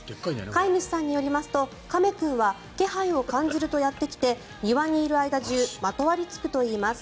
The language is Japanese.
飼い主さんによりますとかめ君は気配を感じるとやってきて庭にいる間中まとわりつくといいます。